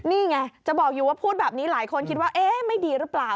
นี่ไงจะบอกอยู่ว่าพูดแบบนี้หลายคนคิดว่าเอ๊ะไม่ดีหรือเปล่า